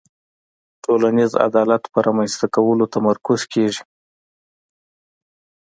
ټولنیز عدالت په رامنځته کولو تمرکز کیږي.